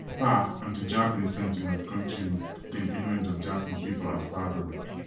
In the past, anti-Japanese sentiment contained innuendos of Japanese people as barbaric.